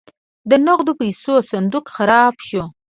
د نغدو پیسو صندوق خراب شو.